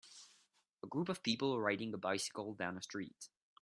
A group of people riding a bicycle down a street